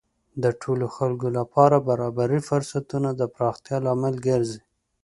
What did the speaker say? د ټولو خلکو لپاره برابرې فرصتونه د پراختیا لامل ګرځي.